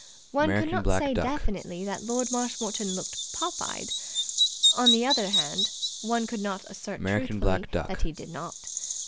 One could not say definitely that Lord Marshmoreton looked pop eyed. On the other hand, one could not assert truthfully that he did not.